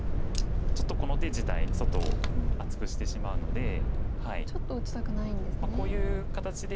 ちょっとこの手自体外を厚くしてしまうのでこういう形で。